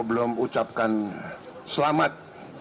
belum ucapkan selamat